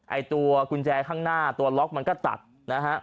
ไอ้ตัวกุญแจข้างหน้าตัวล็อกมันก็ตัดนะฮะ